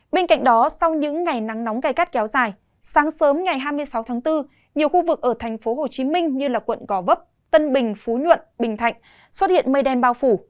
bên cạnh đó sau những ngày nắng nóng cây cát kéo dài sáng sớm ngày hai mươi sáu tháng bốn nhiều khu vực ở thành phố hồ chí minh như quận gò vấp tân bình phú nhuận bình thạnh xuất hiện mây đen bao phủ